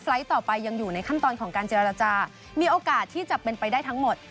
ต่อไปยังอยู่ในขั้นตอนของการเจรจามีโอกาสที่จะเป็นไปได้ทั้งหมด